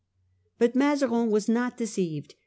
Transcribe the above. But Mazarin was not deceived.